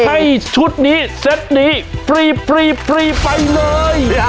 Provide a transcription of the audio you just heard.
ให้ชุดนี้เซ็ตนี้ฟรีไปเลย